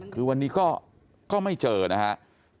คือวันนี้ก็ไม่เจอนะครับ